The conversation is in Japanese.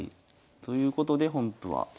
ということで本譜は。